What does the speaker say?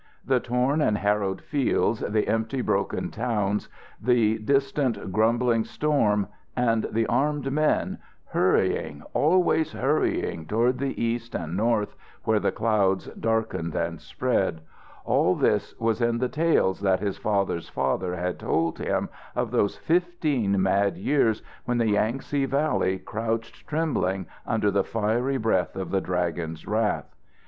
The torn and harrowed fields, the empty, broken towns, the distant, grumbling storm, and the armed men, hurrying, always hurrying toward the east and north where the clouds darkened and spread all this was in the tales that his father's father had told him of those fifteen mad years when the Yangtze Valley crouched trembling under the fiery breath of the Dragon's wrath.